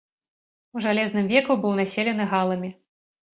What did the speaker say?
У жалезным веку быў населены галамі.